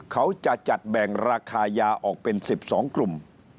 เขาจะจัดแบ่งราคายาออกเป็น๑๒กลุ่ม